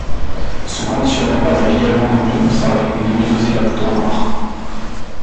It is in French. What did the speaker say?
Ce conditionnement permet également de mieux conserver et de mieux doser la poudre noire.